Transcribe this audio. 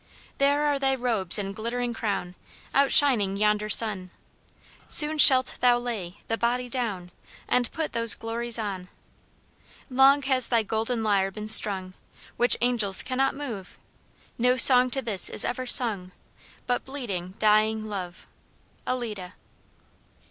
There are thy robes and glittering crown, Outshining yonder sun; Soon shalt thou lay the body down, And put those glories on. Long has thy golden lyre been strung, Which angels cannot move; No song to this is ever sung, But bleeding, dying Love. ALLIDA.